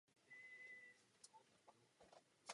Constant je považován též za průkopníka psychologického románu.